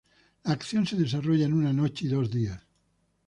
La acción se desarrolla en una noche y dos días.